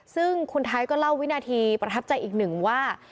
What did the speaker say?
ซึ่งคุณไทยก็เล่าวินาทีประทับใจอีกหนึ่งว่า